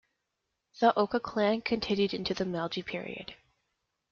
The Oka clan continued until the Meiji period.